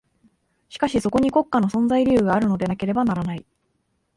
しかしそこに国家の存在理由があるのでなければならない。